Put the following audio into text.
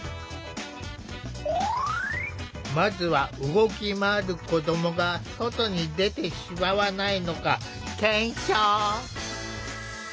まずは動き回る子どもが外に出てしまわないのか検証。